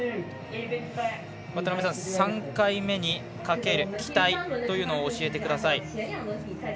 ３回目にかける期待というのを教えてください。